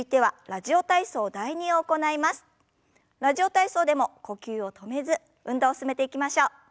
「ラジオ体操」でも呼吸を止めず運動を進めていきましょう。